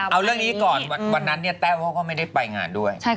เอาเรื่องนี้ก่อนวันนั้นเนี่ยแต้วเขาก็ไม่ได้ไปงานด้วย